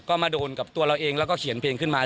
ก็มาโดนกับตัวเราเองแล้วก็เขียนเพลงขึ้นมา